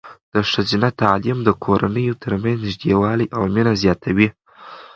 د ښځینه تعلیم د کورنیو ترمنځ نږدېوالی او مینه زیاتوي.